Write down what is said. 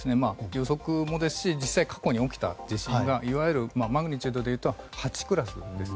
予測もですし実際過去に起きた地震がいわゆるマグニチュードでいうと８クラスです。